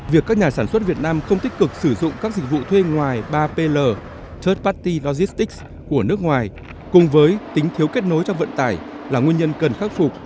việc các nhà sản xuất việt nam không tích cực sử dụng các dịch vụ thuê ngoài ba pld paty logistics của nước ngoài cùng với tính thiếu kết nối cho vận tải là nguyên nhân cần khắc phục